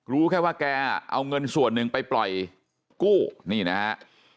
รู้แค่ว่าแกเอาเงินส่วนหนึ่งไปปล่อยกู้นี่นะฮะ